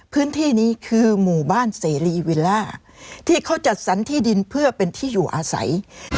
พื้นที่นี้คือหมู่บ้านเสรีวิลล่าที่เขาจัดสรรที่ดินเพื่อเป็นที่อยู่อาศัย